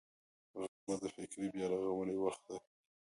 غرمه د فکري بیا رغونې وخت دی